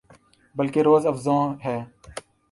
بلکہ روزافزوں ہے